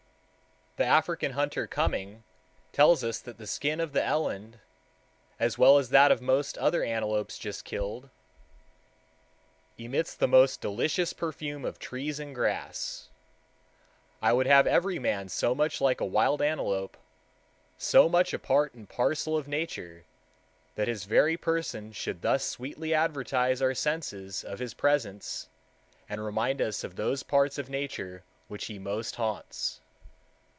The African hunter Cumming tells us that the skin of the eland, as well as that of most other antelopes just killed, emits the most delicious perfume of trees and grass. I would have every man so much like a wild antelope, so much a part and parcel of Nature, that his very person should thus sweetly advertise our senses of his presence, and remind us of those parts of nature which he most haunts.